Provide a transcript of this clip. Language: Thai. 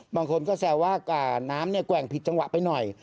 บางคนก็แซวว่าน้ำเนี่ยแกว่งผิดจังหวะไปหน่อย